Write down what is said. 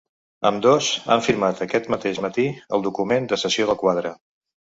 Ambdós, han firmat aquest mateix matí el document de cessió del quadre.